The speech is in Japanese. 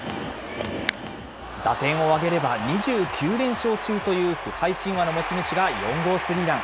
打点を挙げれば２９連勝中という不敗神話の持ち主が４号スリーラン。